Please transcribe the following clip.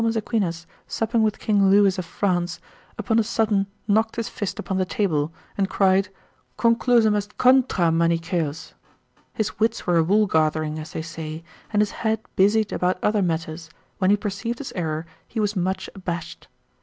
Aquinas supping with king Lewis of France, upon a sudden knocked his fist upon the table, and cried, conclusum est contra Manichaeos, his wits were a wool gathering, as they say, and his head busied about other matters, when he perceived his error, he was much abashed.